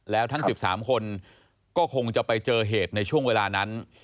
แล้วทั้ง๑๓คนก็คงจะไปเจอเหตุในช่วงเวลานั้น